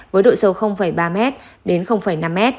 với độ sâu ba m đến năm m